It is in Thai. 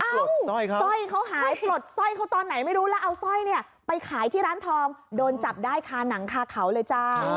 สร้อยเขาหายปลดสร้อยเขาตอนไหนไม่รู้แล้วเอาสร้อยเนี่ยไปขายที่ร้านทองโดนจับได้คาหนังคาเขาเลยจ้า